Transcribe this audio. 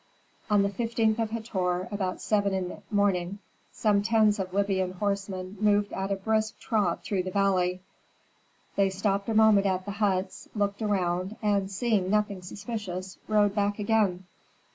On the fifteenth of Hator about seven in the morning, some tens of Libyan horsemen moved at a brisk trot through the valley. They stopped a moment at the huts, looked around, and, seeing nothing suspicious, rode back again.